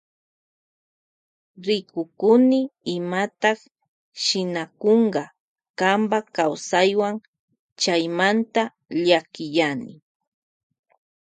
Rikukuni imata shinakunk kanpa kawsaywan chaymanta llakiyani.